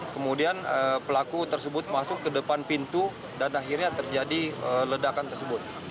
kemudian pelaku tersebut masuk ke depan pintu dan akhirnya terjadi ledakan tersebut